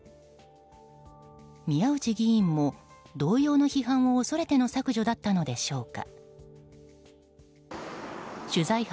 宮内議員も同様の批判を恐れての削除だったのでしょうか。